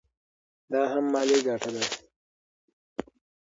دا هم مالي ګټه ده.